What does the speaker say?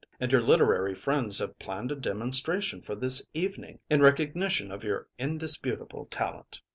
And your literary friends have planned a demonstration for this evening in recognition of your indisputable talent.